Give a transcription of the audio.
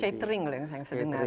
catering loh yang saya dengar kan ada